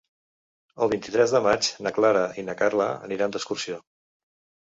El vint-i-tres de maig na Clara i na Carla aniran d'excursió.